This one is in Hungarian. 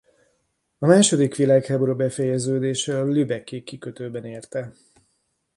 A második világháború befejeződése a lübecki kikötőben érte.